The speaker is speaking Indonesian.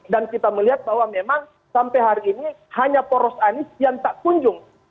dan kita melihat bahwa memang sampai hari ini hanya poros anies yang tak kunjung